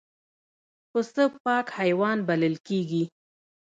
پسه پاک حیوان بلل کېږي.